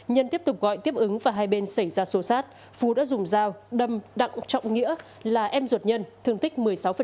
nhân tiếp tục gọi tiếp ứng và hai bên xảy ra xô xát phú đã dùng dao đâm đặng trọng nghĩa là em ruột nhân thương tích một mươi sáu